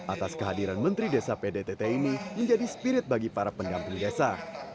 atas kehadiran menteri desa pdtt ini menjadi spirit bagi para pendamping desa